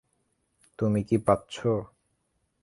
তুমি কি পাচ্ছো?